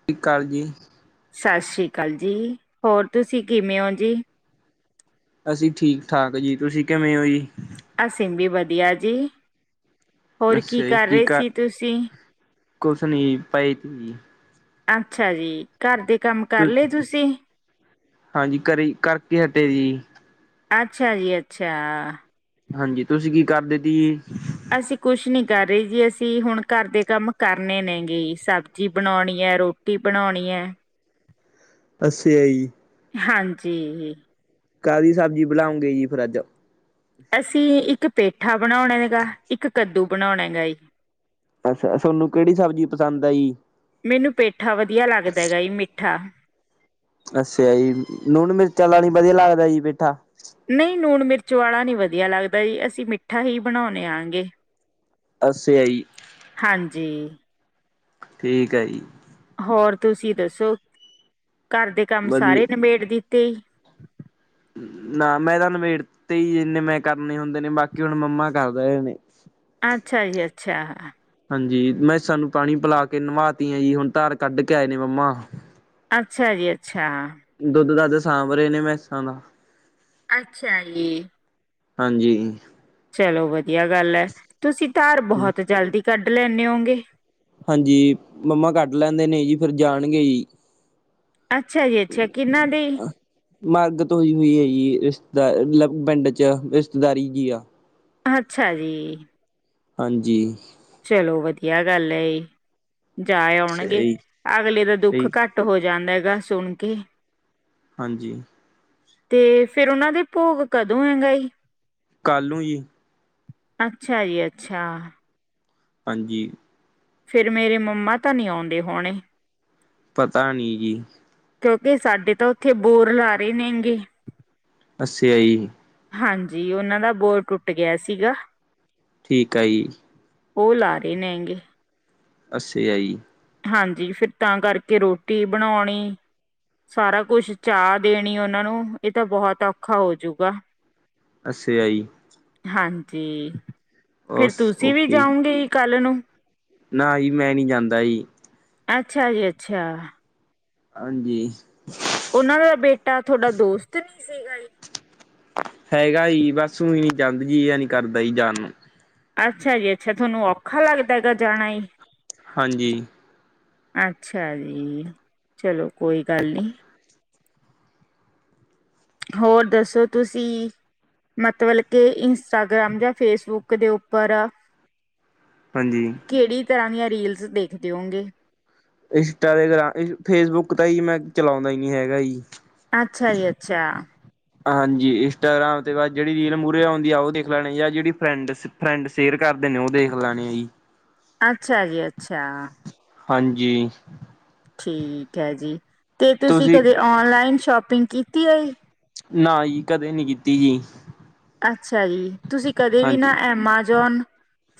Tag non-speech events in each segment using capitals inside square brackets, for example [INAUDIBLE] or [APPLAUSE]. ਸਤਿ ਸ਼ੀ ਅਕਾਲ ਜੀ। ਸਤਿ ਸ਼੍ਰੀ ਅਕਾਲ ਜੀ, ਹੋਰ ਤੁਸੀਂ ਕਿਵੇਂ ਹੋ ਜੀ? ਅਸੀਂ ਠੀਕ ਠਾਕ ਜੀ, ਤੁਸੀਂ ਕਿਵੇਂ ਹੋ ਜੀ? ਅਸੀ ਵੀ ਵਧੀਆ ਜੀ। ਹੋਰ ਕੀ ਕਰ ਰਹੇ ਸੀ ਤੁਸੀਂ? ਕੁਛ ਨੀ ਪਏ ਤੇ ਜੀ ਅੱਛਾ ਜੀ ਘਰ ਦੇ ਕੰਮ ਕਰ ਲਏ ਤੁਸੀਂ? ਹਾਂਜੀ ਕਰੀ ਕਰਕੇ ਹਟੇ ਜੀ। ਅੱਛਾ ਜੀ ਅੱਛਾ ਹਾਂਜੀ ਤੁਸੀਂ ਕੀ ਕਰਦੇ ਤੀ? ਅਸੀਂ ਕੁਛ ਨਹੀਂ ਕਰ ਰਹੇ ਜੀ ਅਸੀਂ ਹੁਣ ਘਰ ਦੇ ਕੰਮ ਕਰਨੇ ਨੇਗੀ ਸਬਜ਼ੀ ਬਣਾਉਣੀ ਹੈ ਰੋਟੀ [INAUDIBLE] ਬਣਾਉਣੀ ਹੈ ਅਛੀਆ ਜੀ। ਹਾਂਜੀ। ਕਾਹਦੀ ਸਬਜ਼ੀ ਬੁਲਾਉਂਗੇ ਜੀ ਫਿਰ ਅੱਜ? ਅਸੀਂ ਇੱਕ ਪੇਠਾ ਬਣਾਉਣਾ ਹੈਗਾ, ਇੱਕ ਕੱਦੂ ਬਣਾਉਣਾ ਹੈਗਾ ਜੀ। ਅੱਛਾ ਤੁਹਾਨੂੰ ਕਿਹੜੀ ਸਬਜ਼ੀ ਪਸੰਦ ਆ ਜੀ ਮੈਨੂੰ ਪੇਠਾ ਵਧੀਆ ਲੱਗਦਾ ਹੈਗਾ ਮਿ ਠਾ ਅੱਛਾ ਜੀ ਲੂਣ ਮਿਰਚਾਂ ਲਾਣੀ ਹੀ ਵਧੀਆ ਲੱਗਦਾ ਜੀ ਪੇਠਾ? ਨਹੀਂ ਨੂਣ ਮਿਰਚ ਵਾਲਾ ਨੀ ਵਧੀਆ ਲੱਗਦਾ, ਜੀ ਅਸੀਂ ਮਿੱਠਾ ਹੀ ਬਣਾਨੇ ਆਗੇ। ਅਸਿਆ ਜੀ। ਹਾਂਜੀ। ਠੀਕ ਐ ਜੀ। ਹੋਰ ਤੁਸੀਂ ਦੱਸੋ, ਘਰ ਦੇ ਕੰਮ ਸਾਰੇ ਵਧੀਆ ਨਿਬੇੜ ਦਿੱਤੇ? ਨਾ ਮੈਂ ਤਾਂ ਨਬੇੜਤੇ ਹੀ ਏਨੇ ਮੈਂ ਕਰਨੇ ਹੁੰਦੇ ਨੇ ਬਾਕੀ ਹੁਣ ਮੰਮਾ ਕਰਦਏ ਨੇ। ਅੱਛਾ ਜੀ ਅੱਛਾ- ਹਾਂਜੀ ਮੈਂ ਸਾਨੂੰ ਪਾਣੀ ਪਿਲਾ ਕੇ ਨਵਾਤੀਆ ਜੀ ਹੁਣ ਧਾਰ ਕੱਢ ਕੇ ਆਏ ਨੇ ਮੰਮਾ। ਅੱਛਾ ਜੀ ਅੱਛਾ। ਦੁੱਧ ਦਾਧ ਸਾਂਭ ਰਹੇ ਨੇ ਭੈਂਸਾ ਦਾ ਅੱਛਾ ਜੀ ਹਾਂਜੀ ਜੀ ਚਲੋ ਵਧੀਆ ਗੱਲ ਹੈ ਤੁਸੀਂ ਧਾਰ ਬਹੁਤ ਜਲਦੀ ਕੱਢ ਲੈਂਦੇ ਹੋਂਗੇ। ਹਾਂਜੀ ਮੰਮਾ ਕੱਢ ਲੈਂਦੇ ਨੇ ਜੀ ਫਿਰ ਜਾਣਗੇ ਜੀ। ਅੱਛਾ ਜੀ ਅੱਛਾ ਕਿਹਨਾਂ ਦੀ? ਮਰਗਤ ਹੋਈ ਹੋਈ ਹੈ ਜੀ ਰਿਸ਼ਤੇਦਾਰ ਮਤਲਬ ਪਿੰਡ ਚ ਰਿਸ਼ਤੇਦਾਰੀ ਚ ਹੀ ਆ। ਅੱਛਾ ਜੀ ਹਾਂਜੀ ਚਲੋ ਵਧੀਆ ਗੱਲ ਹੈ ਇਹ ਜਾ ਆਉਣਗੇ ਸਹੀ ਅਗਲੇ ਦਾ ਸਹੀ ਦੁੱਖ ਘੱਟ ਟ ਹੋ ਜਾਂਦਾ ਹੈਗਾ ਸੁਣ ਕੇ। ਹਾਂਜੀ ਤੇ ਫਿਰ ਉਹਨਾਂ ਦੇ ਭੋਗ ਕਦੋਂ ਹੈਂਗਾ ਜੀ? ਕੱਲ ਨੂ ਜੀ। ਅੱਛਾ ਜੀ ਅੱਛਾ ਹਾਂਜੀ ਫਿਰ ਮੇਰੇ ਮੰਮਾ ਤਾਂ ਨਹੀਂ ਆਉਂਦੇ ਹੋਣੇ। ਪਤਾ ਨਹੀਂ ਜੀ ਕਿਉਂਕਿ ਸਾਡੇ ਤਾਂ ਉੱਥੇ ਬੋਰ ਲਾ ਰਹੇ ਨੈਂਗੇ। [INAUDIBLE] ਈ ਹਾਂਜੀ ਉਹਨਾਂ ਦਾ ਬੋਰ ਟੁੱਟ ਗਿਆ ਸੀਗਾ। ਠੀਕ ਆ ਜੀ। ਉਹ ਲਾ ਰਹੇ ਨੇ ਹੈਂਗੇ। ਅੱਸ ਆ ਜੀ। ਹਾਂਜੀ ਫਿਰ ਤਾਂ ਕਰਕੇ ਰੋਟੀ ਬਣਾਉਣੀ ਸਾਰਾ ਕੁਛ ਚਾਅ ਦੇਣੀ ਉਹਨਾਂ ਨੂੰ ਇਹ ਤਾਂ ਬਹੁਤ ਔਖਾ ਹੋਜੂਗਾ। ਅਸੀ ਆਈ ਹਾਂਜੀ ਫੇਰ ਓਸ ਤੁਸੀਂ ਵੀ ਓਕੇ ਜਾਉਂਗੇ ਹੀ ਕੱਲ ਨੂੰ,? ਨਾ ਜੀ ਮੈਂ ਨੀ ਜਾਂਦਾ ਜੀ। ਅੱਛਾ ਜੀ ਅੱਛਾ। ਹਾਂਜੀ ਉਹਨਾਂ ਦਾ ਬੇਟਾ ਤੁਹਾਡਾ ਦੋਸਤ ਨਹੀਂ ਸੀਗਾ ਜੀ ਹੈਗਾ ਈ ਬਸ ਨੀ ਊਂ ਹੀ ਜਦ ਜੀਆ ਈ ਨੀ ਕਰਦਾ ਸੀ ਜਾਣ ਨੂੰ ਅੱਛਾ ਜੀ ਅੱਛਾ ਤੁਹਾਨੂੰ ਔਖਾ ਲੱਗਦਾ ਹੈਗਾ ਜਾਣਾ ਹਾਂਜੀ ਅੱਛਾ ਜੀ ਚਲੋ ਕੋਈ ਗੱਲ ਨਹੀਂ। ਹੋਰ ਦੱਸੋ ਤੁਸੀਂ? ਮਤਲਬ ਕਿ ਇੰਸਟਾਗ੍ਰਾਮ ਜਾਂ ਫੇਸਬੁੱਕ ਦੇ ਉੱਪਰ ਹਾਂਜੀ ਕਿਹੜੀ ਤਰ੍ਹਾਂ ਦੀਆਂ ਰੀਲਸ ਦੇਖਦੇ ਹੋਂਗੇ? ਇੰਸਟਾ ਤੇ ਗ੍ਰਾਮ ਇ ਫੇਸਬੁੱਕ ਤਾਂ ਹੀ ਮੈਂ ਚਲਾਉਂਦਾ ਹੀ ਨੀ ਹੈਗਾ ਹੀ। ਅੱਛਾ ਜੀ ਅੱਛਾ ਹਾਂਜੀ ਇੰਸਟਾਗ੍ਰਾਮ ਤੇ ਬਾਅਦ ਜਿਹੜੀ ਰੀਲ ਮੂਹਰੇ ਆ ਹੁੰਦੀ ਆ ਉਹ ਦੇਖ ਲੈਣੀ ਜਾਂ ਜਿਹੜੀ ਫਰੈਂਡਸਿਪ ਫਰੈਂਡ ਸ਼ੇਅਰ ਕਰਦੇ ਨੇ ਉਹ ਦੇਖ ਲੈਣੇ ਆ ਜੀ। ਅੱਛਾ ਜੀ ਅੱਛਾ। ਹਾਂਜੀ। ਠੀਕ ਹੈ ਜੀ ਅਤੇ ਤੁਸੀਂ ਕਦੇ ਔਨਲਾਈਨ ਸ਼ੋਪਿੰਗ ਕੀਤੀ ਹੈ ਜ ਨਾ ਜ ਕਦੇ ਨੀ ਕੀਤੀ ਜੀ ਅੱਛਾ ਜੀ ਤੁਸੀਂ ਕਦੇ ਵੀ ਹਾਂਜੀ ਨਾ ਐਮਾਜੋਨ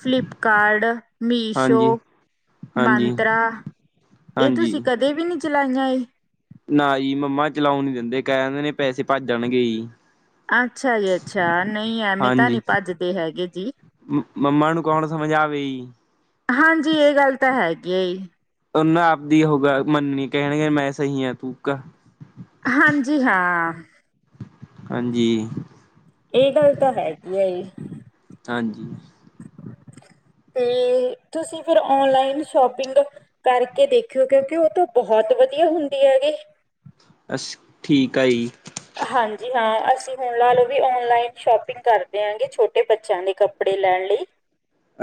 ਫਲਿਪਕਾਰਡ ਮੀਸ਼ੋ ਹਾਂਜੀ ਹਾਂਜੀ ਮੰਤਰਾ ਇਹ ਤੁਸੀਂ ਹਾਂਜੀ ਕਦੇ ਵੀ ਨਹੀਂ ਚਲਾਈਆਂ ਏ ਨਾ ਜੀ ਮੰਮਾ ਚਲਾਉਣ ਨੀ ਦਿੰਦੇ ਕਹਿ ਦਿੰਦੇ ਨੇ ਪੈਸੇ ਭੱਜਣਗੇ ਜੀ ਅੱਛਾ ਜੀ ਅੱਛਾ ਨਹੀਂ ਐਵੇਂ ਤਾਂ ਹਾਂਜੀ ਨਹੀਂੀ ਭੱਜਦੇ ਹੈਗੇ ਜੀ ਮੰਮਾ ਨੂੰ ਕੌਣ ਸਮਝ ਆਵੇ ਹਾਂਜੀ ਇਹ ਗੱਲ ਤਾਂ ਹੈਗੀ ਹੈ ਹੀ ਉਹ ਨਾ ਆਪਦੀ ਹੋ ਮੰਨਣੀ ਕਹਿਣਗੇ ਮੈਂ ਸਹੀ ਹਾਂ ਤੂੰ ਹਾਂਜੀ ਹਾਂ ਹਾਂਜੀ ਇਹ ਗੱਲ ਤਾਂ ਹੈਗੀ ਹੈ ਹੀ ਹਾਂਜੀ ਤੇ ਤੁਸੀਂ ਫਿਰ ਓਨਲਾਈਨ ਸ਼ੋਪਿੰਗ ਕਰਕੇ ਦੇਖਿਓ ਕਿਉਂਕਿ ਉਹ ਤਾਂ ਬਹੁਤ ਵਧੀਆ ਹੁੰਦੀ ਹੈਗੀ ਅਸ ਠੀਕ ਆ ਜੀ ਹਾਂਜੀ ਹਾਂ ਅਸੀਂ ਹੁਣ ਲਾ ਲਓ ਵੀ ਔਨਲਾਈਨ ਸ਼ੋਪਿੰਗ ਕਰਦੇ ਹਾਂਗੇ ਛੋਟੇ ਬੱਚਿਆਂ ਦੇ ਕੱਪੜੇ ਲੈਣ ਲਈ [INAUDIBLE]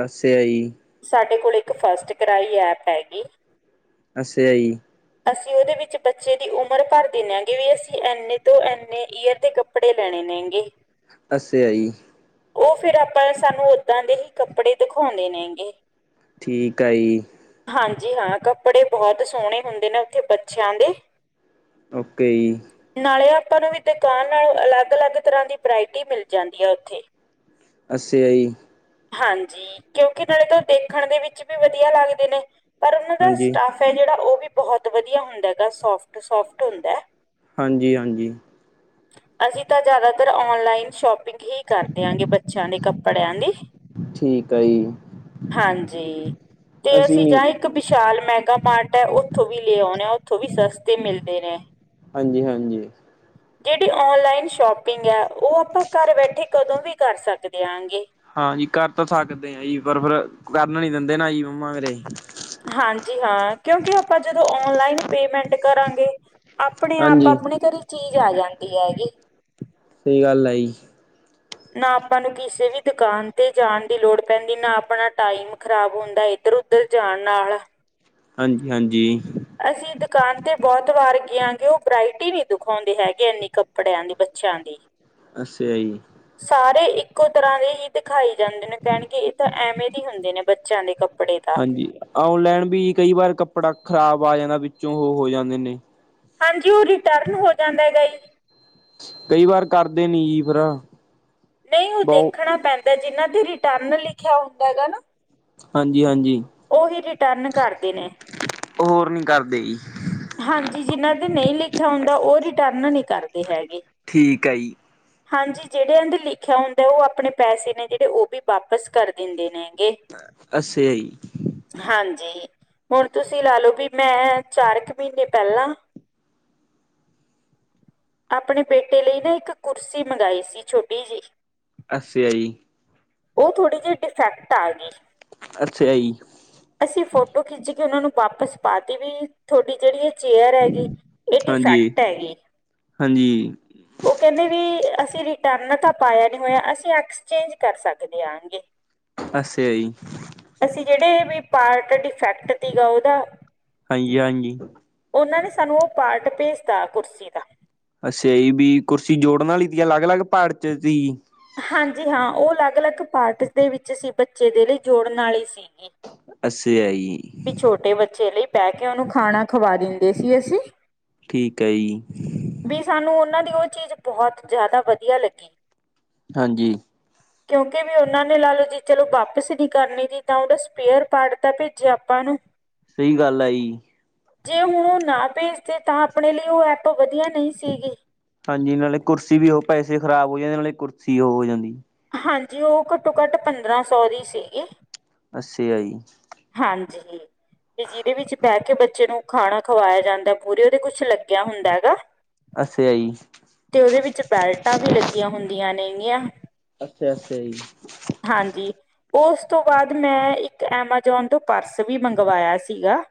ਅਸੇ ਆਈ ਸਾਡੇ ਕੋਲ ਇੱਕ ਫਸਟ ਕਰਾਈ ਐਪ ਹੈਗੀ ਅੱਛੇ ਹੈ ਜੀ ਅਸੀਂ ਉਹਦੇ ਵਿੱਚ ਬੱਚੇ ਦੀ ਉਮਰ ਭਰ ਦਿੰਦੇ ਹਾਂਗੇ ਵੀ ਅਸੀਂ ਇੰਨੇ ਇੰਨੇ ਈਅਰ ਦੇ ਕੱਪੜੇ ਲੈਣੇ ਨੇਗੇ ਅੱਸੇ ਆ ਜੀ ਉਹ ਫੇਿਰ ਆਪਾਂ ਸਾਨੂੰ ਓਦਾਂ ਦੇ ਹੀ ਕੱਪੜੇ ਦਿਖਾਉਂਦੇ ਨੇਗੇ ਠੀਕ ਆ ਜੀ ਹਾਂਜੀ ਹਾਂ ਕੱਪੜੇ ਬਹੁਤ ਸੋਹਣੇ ਹੁੰਦੇ ਨੇ ਉੱਥੇ ਬੱਚਿਆਂ ਦੇ ਓਕੇ ਜੀ। ਨਾਲੇ ਆਪਾਂ ਨੂੰ ਵੀ ਦੁਕਾਨ ਨਾਲੋਂ ਅਲੱਗ ਅਲੱਗ ਤਰ੍ਹਾਂ ਦੀ ਵਰਾਇਟੀ ਮਿਲ ਜਾਂਦੀ ਆ ਓਥੇ। ਅੱਸਿਆ ਈ। ਹਾਂਜੀ ਕਿਉਂਕਿ ਨਾਲੇ ਤਾਂ ਦੇਖਣ ਦੇ ਵਿੱਚ ਵੀ ਵਧੀਆ ਲੱਗਦੇ ਨੇ ਪਰ ਉਨਾਂ ਦਾ ਹਾਂਜੀ ਸਟੱਫ- ਫ ਜੇੜਾ ਓ ਵੀ ਬਹੁਤ ਵਧੀਆ ਹੁੰਦਾ ਹੈਗਾ ਸੋਫਟ ਸੋਫਟ ਹੁੰਦਾ। ਹਾਂਜੀ ਹਾਂਜੀ [INAUDIBLE] ਅਸੀਂ ਤਾਂ ਜ਼ਿਆਦਾਤਰ ਓਨਲਾਈਨ ਸ਼ੋਪਿੰਗ ਹੀ ਕਰਦੇ ਆਗੇਂ ਬੱਚਿਆਂ ਦੇ ਕੱਪੜਿਆਂ ਦੀ। ਠੀਕ ਆ ਜੀ ਹਾਂਜੀ ਤੇ ਅਸੀਂ ਜਾਏ ਇੱਕ ਵਿਸ਼ਾਲ ਮੈਗਾ ਮਾਰਟ ਏ ਓਥੋਂ ਵੀ ਲੈ ਆਉਂਣੇ। ਓਥੋਂ ਵੀ ਸਸਤੇ ਮਿਲਦੇ ਨੇ। ਹਾਂਜੀ ਹਾਂਜੀ ਜੇੜੀ ਓਨਲਾਈਨ ਸ਼ੋਪਿੰਗ ਐ ਉਹ ਆਪਾਂ ਘਰ ਬੈਠੇ ਕਦੋਂ ਵੀ ਕਰ ਸਕਦੇ ਆ ਗੇਂ। ਹਾਂਜੀ ਕਰ ਤਾਂ ਸਕਦੇ ਆ ਜੀ ਪਰ ਫਿਰ ਕਰਨ ਨੀ ਦਿੰਦੇ ਨਾ ਮੰਮਾ ਮੇਰੇ। ਹਾਂਜੀ ਹਾਂ ਕਿਉਂਕਿ ਆਪਾਂ ਜਦੋਂ ਓਨਲਾਈਨ ਪੇਮੈਂਟ ਕਰਾਂਗੇ ਆਪਣੇ ਆਪ ਹਾਂਜੀ ਆਪਣੇ ਘਰੇ ਚੀਜ਼ ਆ ਜਾਂਦੀ ਹੈਗੀ ਸਹੀ ਗੱਲ ਹੈ ਜੀ ਨਾ ਆਪਾਂ ਨੂੰ ਕਿਸੇ ਵੀ ਦੁਕਾਨ ਤੇ ਜਾਣ ਦੀ ਲੋੜ ਪੈਂਦੀ ਨਾ ਆਪਣਾ ਟਾਈਮ ਖਰਾਬ ਹੁੰਦਾ ਇਧਰ ਉੱਧਰ ਜਾਣ ਨਾਲ। ਹਾਂਜੀ ਹਾਂਜੀ ਅਸੀਂ ਦੁਕਾਨ ਤੇ ਬਹੁਤ ਵਾਰ ਗਿਆਂਗੇ ਉਹ ਵਰਾਇਟੀ ਨਹੀਂ ਦਿੁਖਾਉਂਦੇ ਹੈਗੇ ਇੰਨੀ ਕੱਪੜਿਆਂ ਦੀ ਬੱਚਿਆਂ ਦੀ। ਅੱਛਾ ਈ। ਸਾਰੇ ਇੱਕੋ ਤਰ੍ਹਾਂ ਦੇ ਈ ਦਿਖਾਈ ਜਾਂਦੇ ਨੇ। ਕੈਣ ਗੇ ਏ ਤਾਂ ਐਵੇਂ ਦੇ ਹੀ ਹੁੰਦੇ ਨੇ ਬੱਚਿਆਂ ਦੇ ਕੱਪੜੇ ਦਾ ਹਾਂਜੀ ਔਨਲਾਈਨ ਵੀ ਕਈ ਵਾਰ ਕੱਪੜਾ ਖ਼ਰਾਬ ਆ ਜਾਂਦਾ ਵਿੱਚੋਂ ਓ ਹੋ ਜਾਂਦੇ ਨੇ। ਹਾਂਜੀ ਓ ਰਿਟਰਨ ਹੋ ਜਾਂਦਾ ਹੈਗਾ ਜੀ। ਕਈ ਵਾਰ ਕਰਦੇ ਨੀ ਜੀ ਫਿਰ- ਨਈ ਓ ਬਹੁ ਦੇਖਣਾ ਪੈਂਦਾ ਜਿਨਾਂ ਦੇ ਰਿਟਰਨ ਲਿਖਿਆ ਹੁੰਦਾ ਹੇਗਾ ਨਾ ਹਾਂਜੀ ਹਾਂਜੀ ਓਹੀ ਰਿਟਰਨ ਕਰਦੇ ਨੇ। ਹੋਰ ਨੀ ਕਰਦੇ ਈ। ਹਾਂਜੀ ਜਿਨਾਂ ਦੇ ਨਈ ਲਿਖਿਆ ਹੁੰਦਾ ਓ ਰਿਟਰਨ ਨਹੀਂ ਕਰਦੇ ਹੈਗੇ। ਠੀਕ ਐ ਈ। ਹਾਂਜੀ ਜੇੜਿਆ ਦੇ ਲਿਖਿਆ ਹੁੰਦਾ ਓ ਆਪਣੇ ਪੈਸੇ ਨੇ ਜੇੜੇ ਓ ਵੀ ਵਾਪਿਸ ਕਰ ਦਿੰਦੇ ਨੇ ਐਗੇ। ਅਛਾ ਈ। ਹਾਂਜੀ ਹੁਣ ਤੁਸੀਂ ਲਾ ਲਓ ਵੀ ਮੈਂ ਚਾਰ ਕੁ ਮਹੀਨੇ ਪੈਲਾਂ- ਆਪਣੇ ਬੇਟੇ ਲਈ ਨਾ ਇੱਕ ਕੁਰਸੀ ਮੰਗਾਈ ਸੀ, ਛੋਟੀ ਜੀ। ਅੱਸਾ ਆ ਜੀ। ਓ ਥੋੜ੍ਹੀ ਜਿਹੀ ਡਿਫੈਕਟ ਆ ਗਈ। ਅੱਛਾ ਈ। ਅਸੀਂ ਫੋਟੋ ਖਿੱਚ ਕੇ ਉਨਾਂ ਨੂੰ ਵਾਪਸ ਪਾਤੀ ਵੀ ਤੁਆਡੀ ਜੇੜੀ ਏ- ਚੇਅਰ ਏਗੀ ਏ ਹਾਂਜੀ ਡਿਫੈਕਟ ਹੈਗੀ। ਹਾਂਜੀ ਓ ਕੇਂਦੇ ਵੀ ਅਸੀਂ ਰਿਟਰਨ ਤਾਂ ਪਾਇਆ ਨੀ ਹੋਇਆ। ਅਸੀਂ ਐਕਸਚੇਂਜ ਕਰ ਸਕਦੇ ਆਣਗੇ। ਅੱਛਾ ਈ। ਅਸੀਂ ਜਿਹੜੇ ਵੀ ਪਾਰਟ ਡਿਫੈਕਟ ਦੀਗਾ ਓਦਾ ਹਾਂਜੀ ਹਾਂਜੀ ਉਨਾਂ ਨੇ ਸਾਨੂੰ ਓ ਪਾਰਟ ਭੇਜਤਾ ਕੁਰਸੀ ਦਾ। ਅੱਛਾ ਈ ਵੀ ਕੁਰਸੀ ਜੋੜਨ ਆਲੀ ਦੀਆਂ ਅਲੱਗ ਅਲੱਗ ਪਾਟ ਚ ਸੀ। ਹਾਂਜੀ ਹਾਂ ਉਹ ਅਲੱਗ ਅਲੱਗ ਪਾਰਟ ਦੇ ਵਿੱਚ ਸੀ ਬੱਚੇ ਦੇ ਲਈ ਜੋੜਨ ਵਾਲੀ ਸੀਗੀ। ਅਛਾ ਈ। ਵੀ ਛੋਟੇ ਬੱਚੇ ਲਈ ਪੈ ਕੇ ਉਹਨੂੰ ਖਾਣਾ ਖਵਾ ਦਿੰਦੇ ਸੀ ਅਸੀਂ। ਠੀਕ ਹੈ ਜੀ। ਵੀ ਸਾਨੂੰ ਉਹਨਾਂ ਦੀ ਉਹ ਚੀਜ਼ ਬਹੁਤ ਜ਼ਿਆਦਾ ਵਧੀਆ ਲੱਗੀ। ਹਾਂਜੀ। ਕਿਉਂਕਿ ਵੀ ਉਹਨਾਂ ਨੇ ਲਾ ਲਓ ਜੀ। ਚਲੋ ਵਾਪਿਸ ਨਹੀਂ ਕਰਨੀ ਸੀ ਤਾਂ ਉਹਦਾ ਸਪੇਅਰ ਪਾਰਟ ਤਾਂ ਭੇਜਿਆ ਆਪਾਂ ਨੂੰ। ਸਹੀ ਗੱਲ ਆ ਜਹੀ। ਜੇ ਹੁਣ ਉਹ ਨਾ ਭੇਜਦੇ ਤਾਂ ਆਪਣੇ ਲਈ ਉਹ ਐਪ ਵਧੀਆ ਨਹੀਂ ਸੀਗੀ। ਹਾਂਜੀ, ਨਾਲੇ ਕੁਰਸੀ ਵੀ ਉਹ ਪੈਸੇ ਖ਼ਰਾਬ ਹੋ ਜਾਂਦੇ, ਨਾਲੇ ਕੁਰਸੀ ਉਹ ਹੋ ਜਾਂਦੀ। ਹਾਂਜੀ ਉਹ ਘੱਟੋ-ਘੱਟ ਪੰਦਰਾਂ ਸੌ ਦੀ ਸੀਗੀ। ਅੱਛੇ ਆ ਜੀ। ਹਾਂਜੀ। ਤੇ ਜਿਹਦੇ ਵਿੱਚ ਬਹਿ ਕੇ ਬੱਚੇ ਨੂੰ ਖਾਣਾ ਖਵਾਇਆ ਜਾਂਦਾ ਪੂਰੇ ਉਹਦੇ ਕੁਛ ਲੱਗਿਆ ਹੁੰਦਾ ਹੈਗਾ। ਅੱਛਾ ਆ ਜੀ। ਤੇ ਓਦੇ ਵਿੱਚ ਬੈਲਟਾਂ ਵੀ ਲੱਗੀਆਂ ਹੁੰਦੀਆਂ ਨੇਗੀਆਂ। ਅੱਛਾ ਅੱਛਾ ਈ। ਹਾਂਜੀ ਓਸ ਤੋਂ ਬਾਅਦ ਮੈਂ ਇੱਕ ਐਮਾਜੋਨ ਤੋਂ ਪਰਸ ਵੀ ਮੰਗਵਾਇਆ ਸੀਗਾ।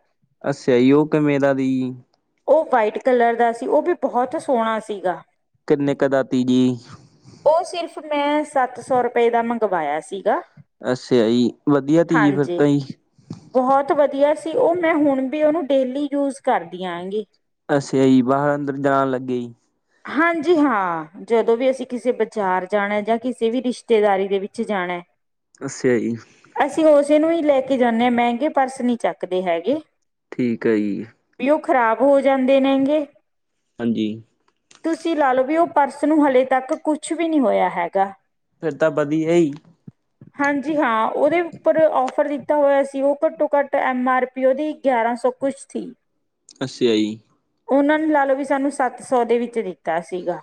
ਅੱਛਿਆ ਈ ਓ ਕਿਵੇਂ ਦਾ ਦੀ। ਓ ਵਾਈਟ ਕਲਰ ਦਾ ਸੀ। ਓ ਵੀ ਬਹੁਤ ਸੋਹਣਾ ਸੀਗਾ। ਕਿੰਨੇ ਕੁ ਦਾ ਤੀ ਜੀ। ਓ ਸਿਰਫ਼ ਮੈਂ ਸੱਤ ਸੌ ਰੁਪਏ ਦਾ ਮੰਗਵਾਇਆ ਸੀਗਾ। ਅੱਛਿਆ ਈ। ਵਧੀਆ ਤੀ ਫਿਰ ਹਾਂਜੀ ਤਾਂ ਈ। ਬਹੁਤ ਵਧੀਆ ਸੀ। ਉਹ ਮੈਂ ਹੁਣ ਵੀ ਉਹਨੂੰ ਡੇਲੀ ਯੂਜ ਕਰਦੀ ਆਂਗੀ। ਅੱਛੇ ਜੀ। ਬਾਹਰ-ਅੰਦਰ ਜਾਣ ਲੱਗੇ ਜੀ? ਹਾਂਜੀ, ਹਾਂ। ਜਦੋਂ ਵੀ ਅਸੀਂ ਕਿਸੇ ਬਾਜ਼ਾਰ ਜਾਣਾ ਜਾਂ ਕਿਸੇ ਵੀ ਰਿਸ਼ਤੇਦਾਰੀ ਦੇ ਵਿੱਚ ਜਾਣਾ। ਅੱਛਿਆ ਜੀ। ਅਸੀਂ ਉਸੇ ਨੂੰ ਹੀ ਲੈ ਕੇ ਜਾਂਦੇ ਹਾਂ। ਮਹਿੰਗੇ ਪਰਸ ਨਹੀਂ ਚੱਕਦੇ ਹੈਗੇ। ਠੀਕ ਹੈ ਜੀ। ਵੀ ਉਹ ਖ਼ਰਾਬ ਹੋ ਜਾਂਦੇ ਮਹਿੰਗੇ। ਹਾਂਜੀ। ਤੁਸੀਂ ਲਾ ਲਓ ਵੀ ਉਹ ਪਰਸ ਨੂੰ ਹਲੇੇ ਤੱਕ ਕੁਛ ਵੀ ਨਹੀਂ ਹੋਇਆ ਹੈਗਾ। ਫਿਰ ਤਾਂ ਵਧੀਆ ਹੀ। ਹਾਂਜੀ ਹਾਂ, ਉਹਦੇ ਉੱਪਰ ਔਫਰ ਦਿੱਤਾ ਹੋਇਆ ਸੀ। ਔਫਰ ਤੋਂ ਘੱਟ ਐਮ ਆਰ ਧ ਓਦੀ ਗਿਆਰਾਂ ਸੌ ਕੁਛ ਸੀ। ਅੱਛਾ ਜੀ। ਉਹਨਾਂ ਨੇ ਲਾ ਲਓ ਵੀ ਸਾਨੂੰ ਸੱਤ ਸੌ ਦੇ ਵਿੱਚ ਦਿੱਤਾ ਸੀਗਾ।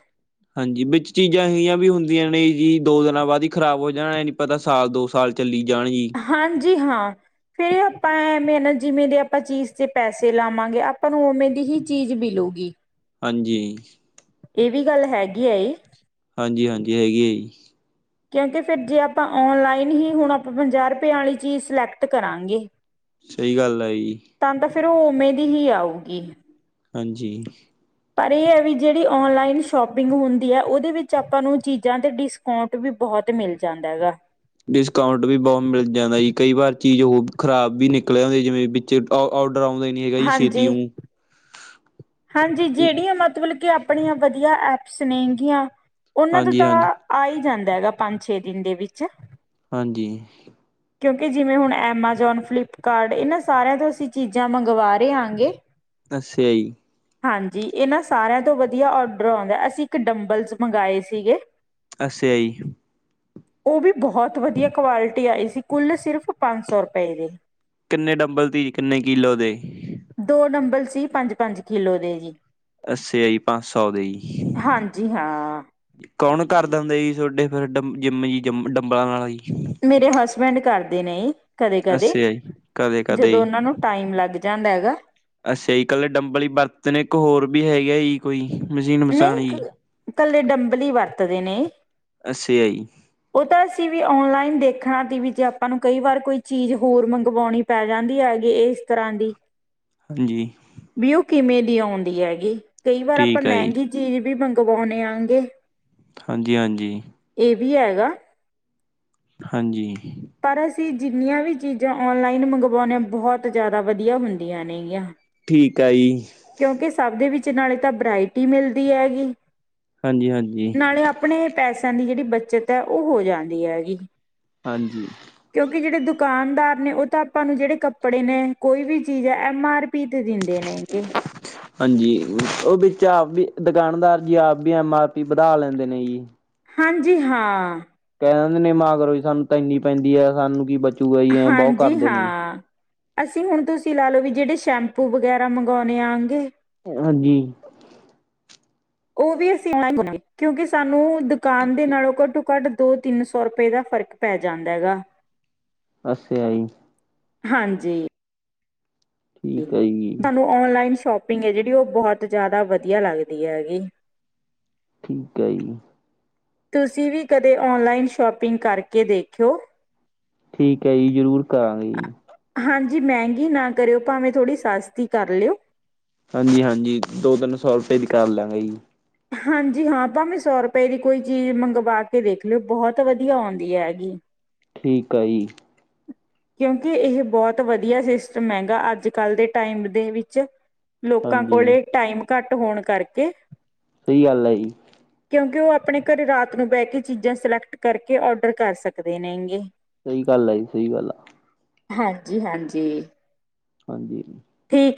ਹਾਂਜੀ ਵਿੱਚ ਚੀਜ਼ਾਂ ਅੋਹੀਆਂ ਵੀ ਹੁੰਦੀਆਂ ਨੇ ਜੀ, ਦੋ ਦਿਨਾਂ ਬਾਅਦ ਹੀ ਖਰਾਬ ਹੋ ਜਾਣਾ ਪਤਾ ਸਾਲ ਦੋ ਸਾਲ ਚੱਲੀ ਜਾਣ ਜੀ। ਹਾਂਜੀ, ਹਾਂ। ਫਿਰ ਆਪਾਂ ਐਵੇਂ ਨਾ ਜਿਵੇਂ ਦੇ ਆਪਾਂ ਚੀਜ਼ ਤੇ ਪੈਸੇ ਲਾਵਾਂਗੇ ਆਪਾਂ ਨੂੰ ਉਵੇਂ ਦੀ ਹੀ ਚੀਜ਼ ਮਿਲੁਗੀ। ਹਾਂਜੀ। ਇਹ ਵੀ ਗੱਲ ਹੈਗੀ ਹੈ ਇਹ? ਹਾਂਜੀ-ਹਾਂਜੀ, ਹੈਗੀ ਹੈ ਜੀ। ਕਿਉਂਕਿ ਫਿਰ ਜੇ ਆਪਾਂ ਓਨਲਾਈਨ ਹੀ ਹੁਣ ਆਪਾਂ ਪੰਜਾਹ ਰੁਪਏ ਵਾਲੀ ਚੀਜ਼ ਸਿਲੈਕਟ ਕਰਾਂਗੇ ਸਹੀ ਗੱਲ ਹੈ ਜੀ। ਤਾਂ ਤਾਂ ਫੇਿਰ ਉਹ ਉਵੇਂ ਦੀ ਹੀ ਆਊਗੀ। ਹਾਂਜੀ। ਪਰ ਇਹ ਹੈ ਵੀ ਜਿਹੜੀ ਔਨਲਾਈਨ ਸ਼ੋਪਿੰਗ ਹੁੰਦੀ ਹੈ ਉਹਦੇ ਵਿੱਚ ਆਪਾਂ ਨੂੰ ਚੀਜ਼ਾਂ ਤੇ ਡਿਸਕ ਅਊਂਟ ਵੀ ਬਹੁਤ ਮਿਲ ਜਾਂਦਾ ਹੈਗਾ। ਡਿਸਕਾਊਂਟ ਵੀ ਬਹੁਤ ਮਿਲ ਜਾਂਦਾ ਜੀ। ਕਈ ਵਾਰ ਚੀਜ਼ ਹੋ ਖ਼ਰਾਬ ਵੀ ਨਿਕਲਿਆ ਹੁੰਦੀ ਜਿਵੇਂ ਵਿੱਚ ਔਡਰ ਆਉਂਦੇ ਹੈਗਾ ਜੀ ਛੇਤੀ ਹਾਂਜੀ ਉੰ ਹਾਂਜੀ, ਜਿਹੜੀਆਂ ਮਤਲਬ ਕਿ ਆਪਣੀਆਂ ਵਧੀਆ ਐਪਸ ਨੇਗੀਆਂ ਉਹਨਾਂ ਤੋਂ ਹਾਂਜੀ ਤਾਂ ਹਾਂਜੀ ਆ ਹੀ ਜਾਂਦਾ ਹੈਗਾ ਪੰਜ-ਛੇ ਦਿਨ ਦੇ ਵਿੱਚ। ਹਾਂਜੀ। [INAUDIBLE] ਕਿਉਂਕਿ ਜਿਵੇਂ ਹੁਣ ਐਮਏ ਜੋਨ ਫਲਿੱਪਕਾਰਡ ਇਹਨਾਂ ਸਾਰਿਆਂ ਤੋਂ ਅਸੀਂ ਚੀਜ਼ਾਂ ਮੰਗਵਾ ਰਹੇ ਹਾਂਗੇ ਅੱਛਾ ਜੀ ਹਾਂਜੀ ਇਹ ਨਾ ਸਾਰਿਆਂ ਤੋਂ ਵਧੀਆ ਔਡਰ ਆਉਂਦਾ ਅਸੀਂ ਇੱਕ ਡੰਬਲਸ ਮੰਗਵਾਏ ਸੀਗੇ ਅੱਛਾ ਜੀ ਉਹ ਵੀ ਬਹੁਤ ਵਧੀਆ ਕੁਆਲਿਟੀ ਆਈ ਸੀ। ਕੁੱਲ ਸਿਰਫ ਪੰਜ ਸੌ ਰੁਪਏ ਦੇ ਕਿੰਨੇ ਡੰਬਲ ਦੀ, ਕਿੰਨੇ ਕਿੱਲੋ ਦੇ? ਦੋ ਨੰਬਰ ਸੀ, ਪੰਜ-ਪੰਜ ਕਿਲੋ ਦੇ ਜੀ। ਅੱੱਸੇ ਆਈ, ਪੰਜ ਸੌ ਦੇ ਈ। ਹਾਂਜੀ ਹਾਂ ਕੌਣ ਕਰ ਦਾ ਹੋੰਦਾ ਜੀ ਤੁਹਾਡੇ ਫਿਰ ਜਿੰਮ ਜੀ ਜਮ, ਡੰਬਲਾਂ ਆਲਾ ਜੀ? ਮੇਰੇ ਹਸਬੈਂਡ ਕਰਦੇ ਨੇ ਕਦੇ-ਕਦੇ, ਅੱਛਾ ਜੀ ਕਦੇ ਕਦੇ ਜਦੋਂ ਜੀ ਉਹਨਾਂ ਨੂੰ ਟਾਈਮ ਲੱਗ ਜਾਂਦਾ ਹੈਗਾ। ਅੱਛਾ ਜੀ, ਇਕੱਲੇ ਡੰਬਲ ਹੀ ਵਰਤਨੇ ਇੱਕ ਹੋਰ ਵੀ ਹੈਗੇ ਜੀ? ਕੋਈ ਮਜ਼ੀਨ ਨਹੀਂ ਕੱਲੇ ਡੰਬਲ ਹੀ ਵਰਤਦੇ ਨੇ। ਅੱਛਾ ਜੀ ਉਹ ਤਾਂ ਅਸੀਂ ਵੀ ਔਨਲਾਈਨ ਦੇਖਣਾ ਸੀ ਵੀ ਜੇ ਆਪਾਂ ਨੂੰ ਕਈ ਵਾਰ ਕੋਈ ਚੀਜ਼ ਹੋਰ ਮੰਗਵਾਉਣੀ ਪੈ ਜਾਂਦੀ ਹੈਗੀ ਇਹ ਇਸ ਤਰ੍ਹਾਂ ਦੀ ਹਾਂਜੀ ਵੀ ਉਹ ਕਿਵੇਂ ਦੀ ਆਉਂਦੀ ਹੈਗੀ ਕਈ ਵਾਰ ਆਪਾਂ ਠੀਕ ਆ ਜੀ ਮਹਿੰਗੀ ਚੀਜ਼ ਵੀ ਮੰਗਵਾਉਦੇ ਆਗੇ ਹਾਂਜੀ ਹਾਂਜੀ ਇਹ ਵੀ ਹੈਗਾ ਹਾਂਜੀ ਪਰ ਅਸੀਂ ਜਿੰਨੀਆਂ ਵੀ ਚੀਜ਼ਾਂ ਔਨਲਾਈਨ ਮੰਗਵਾਉਂਦੇ ਹਾਂ ਬਹੁਤ ਜ਼ਿਆਦਾ ਵਧੀਆ ਹੁੰਦੀਆਂ ਨੇਗੀਆਂ ਠੀਕ ਆ ਜੀ ਕਿਉਂਕਿ ਸਭ ਦੇ ਵਿੱਚ ਨਾਲੇ ਤਾਂ ਵਰਾਇਟੀ ਮਿਲਦੀ ਹੈਗੀ ਹਾਂਜੀ ਹਾਂਜੀ ਨਾਲੇ ਆਪਣੇ ਪੈਸਿਆਂ ਦੀ ਜਿਹੜੀ ਬੱਚਤ ਹੈ ਉਹ ਹੋ ਜਾਂਦੀ ਹੈਗੀ ਹਾਂਜੀ ਕਿਉਂਕਿ ਜਿਹੜੇ ਦੁਕਾਨਦਾਰ ਨੇ ਉਹ ਤਾਂ ਆਪਾਂ ਨੂੰ ਜਿਹੜੇ ਕੱਪੜੇ ਨੇ ਕੋਈ ਵੀ ਚੀਜ਼ ਹੈ ਐਮ ਆਰ ਪੀ ਤੇ ਦਿੰਦੇ ਨੇ ਹੈਗੇ ਹਾਂਜੀ ਉਹ ਵਿੱਚ ਆਪ ਵੀ ਦੁਕਾਨਦਾਰ ਜੀ ਆਪ ਵੀ ਐਮ ਆਰ ਪੀ ਵਧਾ ਲੈਂਦੇ ਨੇ ਜੀ ਹਾਂਜੀ ਹਾਂ ਕਹਿ ਦਿੰਦੇ ਨੇ ਨਿਮੋ ਕਰੋ ਜ ਸਾਨੂੰ ਤ ਇੰਨੀ ਪੈਂਦੀ ਹੈ ਸਾਨੂੰ ਕੀ ਬਚੂਗਾ ਹੀ ਐ ਬਹੁਤ ਹਾਂਜੀ ਕਰਦੇ ਨੇ ਹਾਂ। ਅਸੀਂ ਹੁਣ ਤੁਸੀਂ ਲਾ ਲਓ ਵੀ ਜਿਹੜੇ ਸ਼ੈਂਪੂ ਵਗੈਰਾ ਮੰਗਵਾਉਂਣੇ ਆਂਗੇ ਹਾਂਜੀ ਉਹ ਵੀ ਅਸੀਂ ਕਿਉਂਕਿ ਸਾਨੂੰ ਦੁਕਾਨ ਦੇ ਨਾਲੋਂ ਘੱਟੋ ਘੱਟ ਦੋ ਤਿੰਨ ਸੌ ਰੁਪਏ ਦਾ ਫ਼ਰਕ ਪੈ ਜਾਂਦਾ ਹੈਗਾ ਅੱਛਾ ਜੀ ਹਾਂਜੀ ਠੀਕ ਹੈ ਜੀ। ਤੁਹਾਨੂੰ ਔਨਲਾਈਨ ਸ਼ੋਪਿੰਗ ਹੈ ਜਿਹੜੀ ਉਹ ਬਹੁਤ ਜਿਆਦਾ ਵਧੀਆ ਲੱਗਦੀ ਹੈਗੀ ਠੀਕ ਹੈ ਜੀ ਤੁਸੀਂ ਵੀ ਕਦੇ ਔਨਲਾਈਨ ਸ਼ੋਪਿੰਗ ਕਰਕੇ ਦੇਖਿਓ ਠੀਕ ਹੈ ਜੀ ਜ਼ਰੂਰ ਕਰਾਂਗੇ ਜੀ ਹਾਂਜੀ ਮਹਿੰਗੀ ਨਾ ਕਰਿਓ ਭਾਵੇਂ ਥੋੜੀ ਸਸਤੀ ਕਰ ਲਿਓ ਹਾਂਜੀ ਹਾਂਜੀ ਦੋ ਤਿੰਨ ਸੌ ਰੁਪਏ ਦੀ ਕਰ ਲਾਂਗਾ ਜੀ ਹਾਂਜੀ ਹਾਂ ਭਾਵੇਂ ਸੌ ਰੁਪਏ ਦੀ ਕੋਈ ਚੀਜ਼ ਮੰਗਵਾ ਕੇ ਦੇਖ ਲਿਓ ਬਹੁਤ ਵਧੀਆ ਆਉਂਦੀ ਹੈਗੀ ਠੀਕ ਆ ਜੀ ਕਿਉਂਕਿ ਇਹ ਬਹੁਤ ਵਧੀਆ ਸਿਸਟਮ ਹੈਗਾ ਅੱਜ ਕੱਲ ਦੇ ਟਾਈਮ ਦੇ ਵਿੱਚ ਲੋਕਾਂ ਕੋਲ ਹਾਂਜੀ। ਟਾਈਮ ਘੱਟ ਹੋਣ ਕਰਕੇ ਸਹੀ ਗੱਲ ਹੈ ਜੀ ਕਿਉਂਕਿ ਉਹ ਆਪਣੇ ਘਰ ਰਾਤ ਨੂੰ ਬਹਿ ਕੇ ਚੀਜ਼ਾਂ ਸਿਲੈਕਟ ਕਰਕੇ ਔਡਰ ਕਰ ਸਕਦੇ ਨੇਗੇ ਸਹੀ ਗੱਲ ਆ ਜੀ ਸਹੀ ਗੱਲ ਆ ਹਾਂਜੀ ਹਾਂਜੀ ਹਾਂਜੀ ਠੀਕ ਏ